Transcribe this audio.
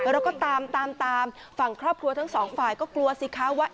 เราก็ตามตามฝั่งครอบครัวทั้งสองฝ่ายก็กลัวสิคะว่า